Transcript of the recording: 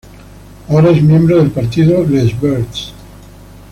Ahora es miembro del partido Les Verts.